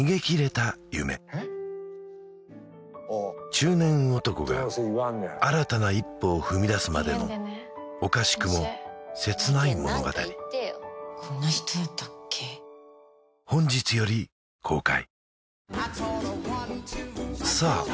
中年男が新たな一歩を踏み出すまでのおかしくも切ない物語こんな人やったっけ本日より公開さあ